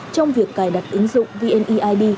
trong việc cài đặt ứng dụng vneid